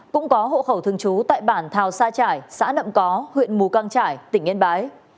cũng có hộ khẩu thường trú tại bản thảo sa trải xã nậm có huyện mù căng trải tỉnh yên bái